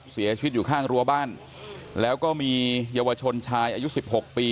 เสียชีวิตอยู่ข้างรั้วบ้านแล้วก็มีเยาวชนชายอายุสิบหกปี